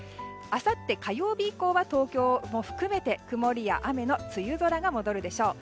あさって火曜日以降は東京も含めて曇りや雨の梅雨空が戻るでしょう。